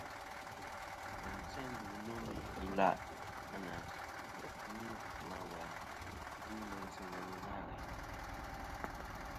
À, wa n-se ndu nô mɨ ilaʼ a nà ghɨ ma wà ndu meyn sɨ ghelɨ nâ ghèyn.